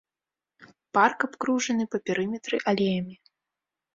Парк абкружаны па перыметры алеямі.